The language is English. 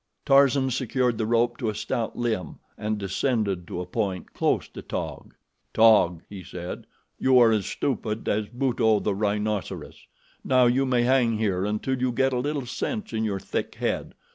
Tarzan secured the rope to a stout limb and descended to a point close to Taug. "Taug," he said, "you are as stupid as Buto, the rhinoceros. Now you may hang here until you get a little sense in your thick head.